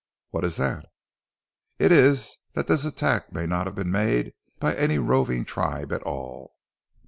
"What is that?" "It is that this attack may not have been made by any roving tribe at all."